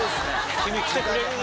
君来てくれるね。